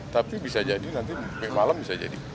tapi bisa jadi nanti malam bisa jadi